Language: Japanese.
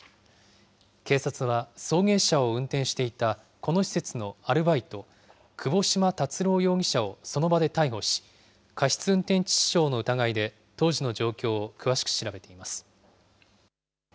警察は送迎車を運転していたこの施設のアルバイト、窪島達郎容疑者をその場で逮捕し、過失運転致死傷の疑いで、当時の状況を詳しく調べています。